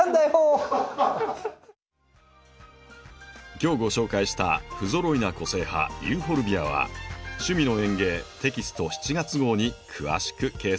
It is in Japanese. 今日ご紹介した「ふぞろいな個性派ユーフォルビア」は「趣味の園芸」テキスト７月号に詳しく掲載されています。